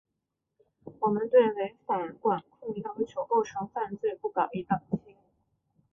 我们对违反管控要求构成犯罪不搞‘一刀切’